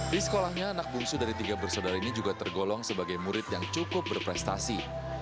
di sekolahnya anak bungsu dari tiga bersaudara ini juga tergolong sebagai murid yang cukup berprestasi